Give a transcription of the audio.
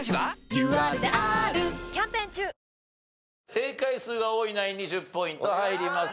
正解数が多いナインに１０ポイント入ります。